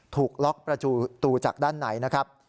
ถูกล็อกประตูจากด้านในนะครับ